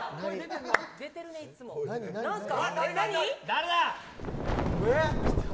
誰だ！